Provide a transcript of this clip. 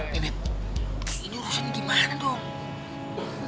bebek ini urusan gimana dong